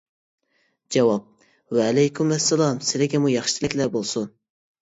جاۋاب: ۋەئەلەيكۇم ئەسسالام، سىلىگىمۇ ياخشى تىلەكلەر بولسۇن!